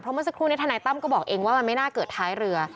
เมื่อสักครู่นี้ทนายตั้มก็บอกเองว่ามันไม่น่าเกิดท้ายเรือ